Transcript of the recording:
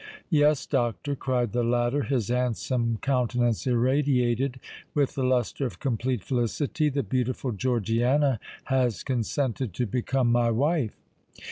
"Yes, doctor," cried the latter, his handsome countenance irradiated with the lustre of complete felicity, "the beautiful Georgiana has consented to become my wife."